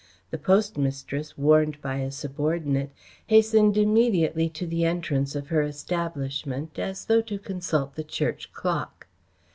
The postmistress, warned by a subordinate, hastened immediately to the entrance of her establishment as though to consult the church clock.